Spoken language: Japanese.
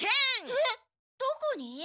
えっどこに？